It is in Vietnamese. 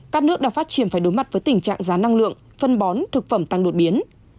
các nước đang phát triển phải đối mặt với tình trạng giá năng lượng phân bón thực phẩm tăng đột biến